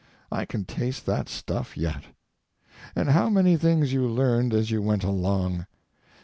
I can taste that stuff yet. And how many things you learned as you went along!